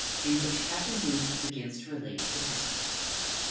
_In which Captain Booth begins to relate his history.